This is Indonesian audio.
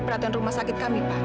perhatian rumah sakit kami pak